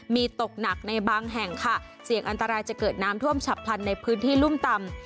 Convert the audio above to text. มีตกหนักในบางแห่งค่ะเสี่ยงอันตรายจะเกิดน้ำท่วมฉับพลันในพื้นที่รุ่มต่ำ